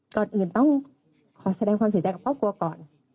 ก่อนอื่นต้องขอแสดงความเสียใจกับครอบครัวก่อน